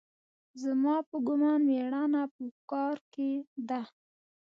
زما په ګومان مېړانه په کار کښې ده.